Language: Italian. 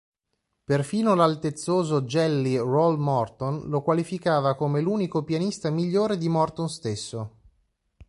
Perfino l'altezzoso "Jelly" Roll Morton lo qualificava come l'unico pianista migliore di Morton stesso.